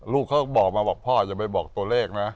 ลูกเขาก็บอกมาบอกพ่ออย่าไปบอกตัวเลขนะ